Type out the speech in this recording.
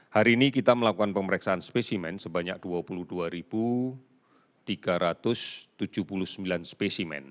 hari ini kita melakukan pemeriksaan spesimen sebanyak dua puluh dua tiga ratus tujuh puluh sembilan spesimen